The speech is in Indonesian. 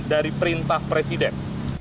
dan perintah presiden